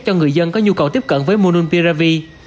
cho người dân có nhu cầu tiếp cận với monubiravir